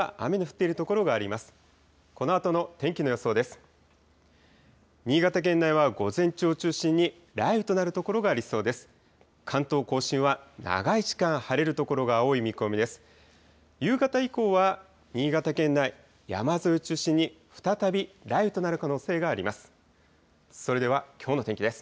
夕方以降は新潟県内、山沿いを中心に再び雷雨となる可能性があります。